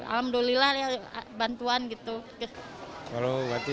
alhamdulillah bantuan gitu